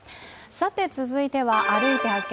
続いては「歩いて発見！